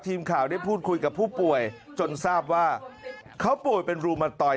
ทีมข่าวได้พูดคุยกับผู้ป่วยจนทราบว่าเขาป่วยเป็นรูมตอย